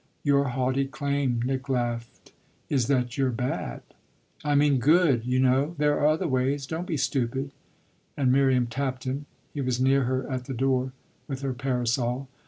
Your haughty claim," Nick laughed, "is that you're bad." "I mean good, you know there are other ways. Don't be stupid." And Miriam tapped him he was near her at the door with her parasol.